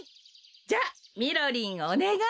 じゃみろりんおねがい。